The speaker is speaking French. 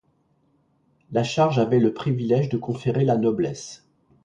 La charge avait le privilège de conférer la noblesse.